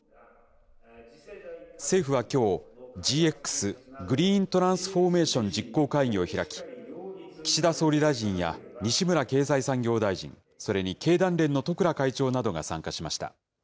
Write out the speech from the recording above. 政府はきょう、ＧＸ・グリーントランスフォーメーション実行会議を開き、岸田総理大臣や西村経済産業大臣、それに経団連の十倉会長などが参加しました。